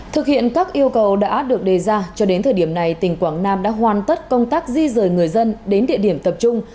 thực hiện các yêu cầu đã được đề ra cho đến thời điểm này tỉnh quảng nam đã hoàn tất công tác di rời người dân đến địa điểm tập trung